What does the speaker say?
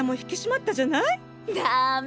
ダメ！